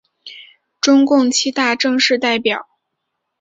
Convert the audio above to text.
中共七大正式代表。